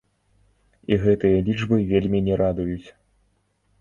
І гэтыя лічбы вельмі не радуюць.